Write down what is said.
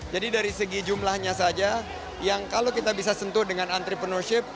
dari segi jumlahnya saja yang kalau kita bisa sentuh dengan entrepreneurship